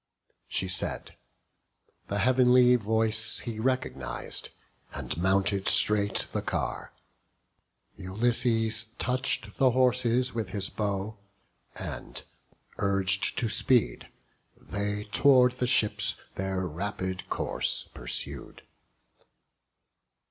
She said; the heav'nly voice he recogniz'd, And mounted straight the car; Ulysses touch'd The horses with his bow; and, urg'd to speed, They tow'rd the ships their rapid course pursued.